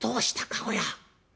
駕籠屋」。